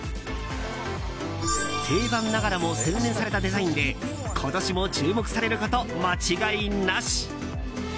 定番ながらも洗練されたデザインで今年も注目されること間違いなし。